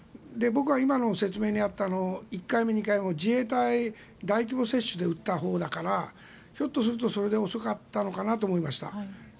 僕は今の説明にあった１回目、２回目も自衛隊大規模接種で打ったほうだからひょっとするとそれで遅かったのかなと思いました。